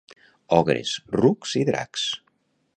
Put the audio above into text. Ogres, rucs i dracs.